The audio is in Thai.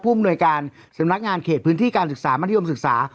อำนวยการสำนักงานเขตพื้นที่การศึกษามัธยมศึกษา